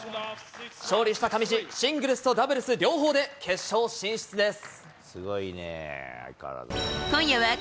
勝利した上地、シングルスとダブルス両方で決勝進出です。